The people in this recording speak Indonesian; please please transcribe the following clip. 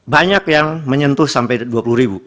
banyak yang menyentuh sampai rp dua puluh